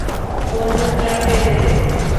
বন্দুকটা ফেলে দে।